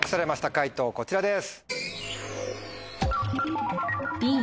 解答こちらです。